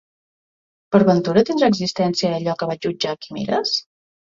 Per ventura tindrà existència allò que vaig jutjar quimeres?